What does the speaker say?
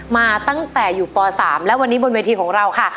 มาตั้งแต่อยู่ป๓และวันนี้บนเวทีของเราค่ะ